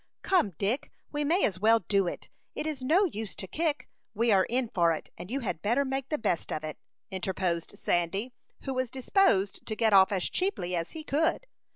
"Come, Dick, we may as well do it. It is no use to kick; we are in for it, and you had better make the best of it," interposed Sandy, who was disposed to get off as cheaply as he could.